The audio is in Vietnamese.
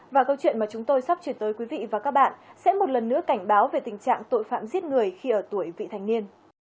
và câu chuyện mà chúng tôi sắp chuyển tới quý vị và các bạn sẽ một lần nữa cảnh báo về tình trạng tội phạm giết người khi ở tuổi vị thành niên